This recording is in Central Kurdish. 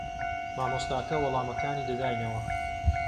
مامۆستاکە وەڵامەکانی دەداینەوە.